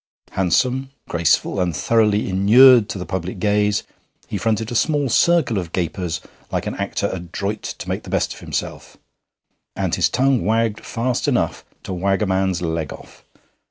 Handsome, graceful, and thoroughly inured to the public gaze, he fronted a small circle of gapers like an actor adroit to make the best of himself, and his tongue wagged fast enough to wag a man's leg off.